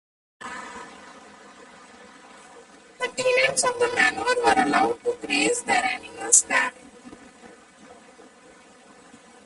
The tenants of the manor were allowed to graze their animals there.